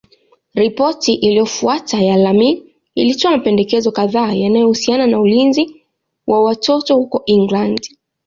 Ripoti iliyofuata ya Laming ilitoa mapendekezo kadhaa yanayohusiana na ulinzi wa watoto huko England.